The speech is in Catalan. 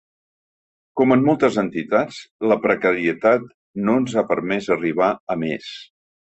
Com en moltes entitats, la precarietat no ens ha permès arribar a més.